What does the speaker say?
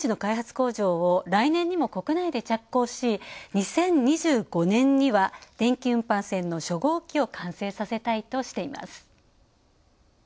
工場を来年にも国内で着工し、２０２５年には電気運搬船の初号機を完成させたいとしています。